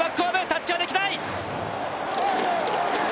タッチはできない。